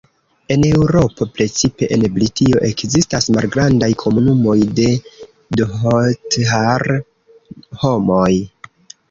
En Eŭropo, precipe en Britio, ekzistas malgrandaj komunumoj de Dhothar-homoj.